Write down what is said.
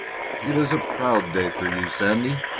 "It is a proud day for you, Sandy!"